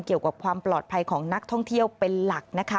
เกี่ยวกับความปลอดภัยของนักท่องเที่ยวเป็นหลักนะคะ